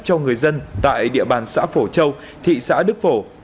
cho người dân tại địa bàn xã phổ châu thị xã đức phổ